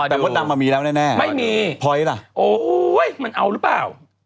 แต่พ่อตังค์มันมีแล้วแน่พอยท์ล่ะโอ้ยมันเอาหรือเปล่า